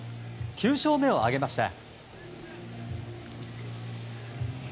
９勝目を挙げました。